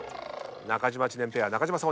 中島・知念ペア中島さん